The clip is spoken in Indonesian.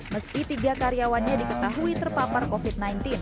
meski tiga karyawannya diketahui terpapar covid sembilan belas